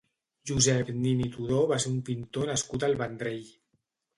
Josep Nin i Tudó va ser un pintor nascut al Vendrell.